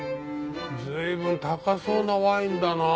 随分高そうなワインだな。